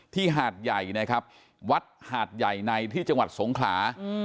หาดใหญ่นะครับวัดหาดใหญ่ในที่จังหวัดสงขลา